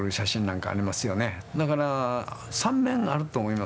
だから３面あると思います。